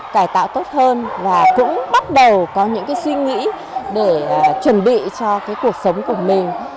cải tạo tốt hơn và cũng bắt đầu có những suy nghĩ để chuẩn bị cho cuộc sống của mình